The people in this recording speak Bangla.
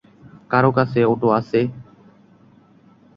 কারো কাছে অটো আছে?